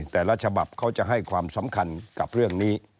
แต่ละฉบับเขาจะให้ความสำคัญกับเรื่องนี้